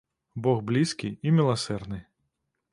Бог блізкі і міласэрны.